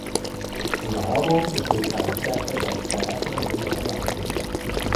Die Nahrung besteht hauptsächlich aus Käfern und Ameisen.